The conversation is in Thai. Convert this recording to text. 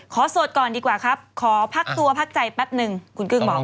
โสดก่อนดีกว่าครับขอพักตัวพักใจแป๊บนึงคุณกึ้งบอก